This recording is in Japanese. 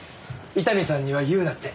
伊丹さんには言うなって。